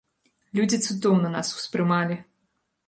Людзі цудоўна нас успрымалі!